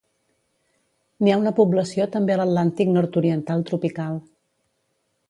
N'hi ha una població també a l'Atlàntic nord-oriental tropical.